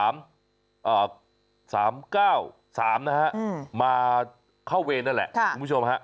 ๓๓๙๓นะครับมาเข้าเวนนั่นแหละคุณผู้ชมครับ